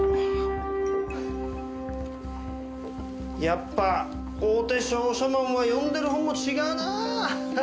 やっぱ大手商社マンは読んでる本も違うな。